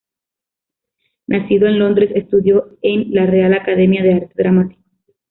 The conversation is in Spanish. Nacido en Londres, estudió en la "Real Academia de Arte Dramático".